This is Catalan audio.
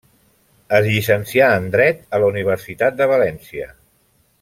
Es llicencià en dret a la Universitat de València.